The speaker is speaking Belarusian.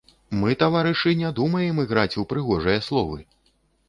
Мы, таварышы, не думаем іграць у прыгожыя словы.